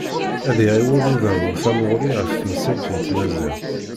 Ad iɛiwed udabu tamuɣli ɣef temsalt n tmaziɣt.